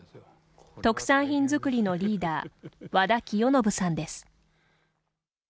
特産品作りのリーダー和田輝世伸さんです。